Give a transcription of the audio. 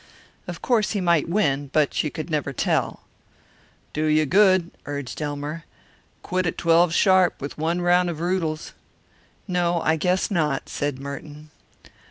Of course he might win, but you never could tell. "Do you good," urged Elmer. "Quit at twelve sharp, with one round of roodles." "No, I guess not," said Merton.